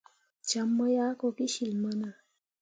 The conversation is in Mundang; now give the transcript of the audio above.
Jam mu yah ko kecil mana.